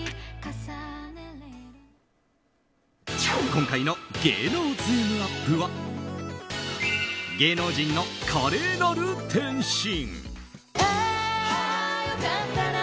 今回の芸能ズームＵＰ！は芸能人の華麗なる転身。